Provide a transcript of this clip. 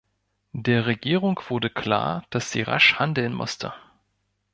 Der Regierung wurde klar, dass sie rasch handeln musste.